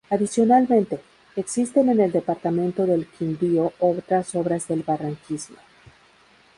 Adicionalmente, existen en el departamento del Quindío otras obras de barranquismo.